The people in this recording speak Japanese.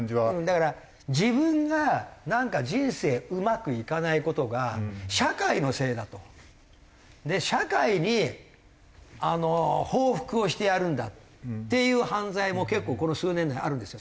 だから自分がなんか人生うまくいかない事が社会のせいだと。で社会に報復をしてやるんだっていう犯罪も結構この数年であるんですよ。